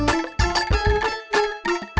jangan sampai sampai